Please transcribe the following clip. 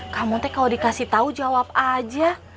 kamu tuh kalau dikasih tau jawab aja